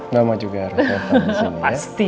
mama juga harus have fun disini ya